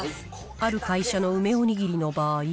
ある会社の梅おにぎりの場合。